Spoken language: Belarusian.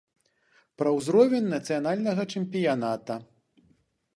Пра узровень нацыянальнага чэмпіяната.